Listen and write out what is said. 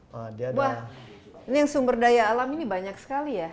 wah ini yang sumber daya alam ini banyak sekali ya